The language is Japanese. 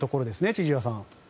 千々岩さん。